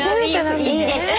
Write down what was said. いいですか？